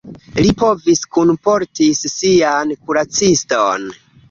Li povis kunportis sian kuraciston.